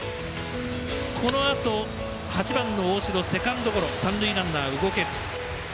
このあと、８番の大城がセカンドゴロ三塁ランナー動けず。